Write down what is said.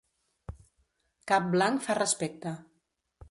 Cap blanc fa respecte.